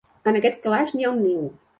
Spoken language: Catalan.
En aquest calaix n'hi ha un niu.